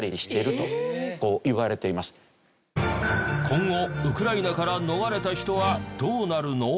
今後ウクライナから逃れた人はどうなるの？